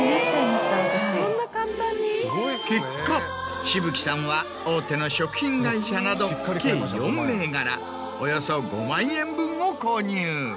結果紫吹さんは大手の食品会社など計４銘柄およそ５万円分を購入。